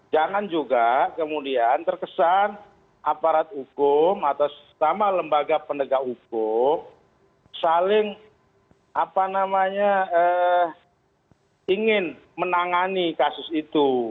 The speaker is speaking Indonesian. jangan juga kemudian terkesan aparat hukum atau sama lembaga pendekat hukum saling apa namanya eh ingin menangani kasus itu